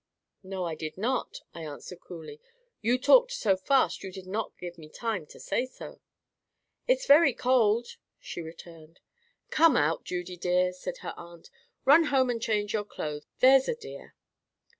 "No, I did not," I answered coolly. "You talked so fast, you did not give me time to say so." "It's very cold," she returned. "Come out, Judy dear," said her aunt. "Run home and change your clothes. There's a dear."